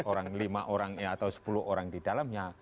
lima orang atau sepuluh orang di dalam